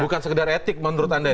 bukan sekedar etik menurut anda ya